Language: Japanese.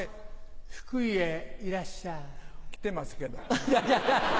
福井へいらっしゃい。来てますけど。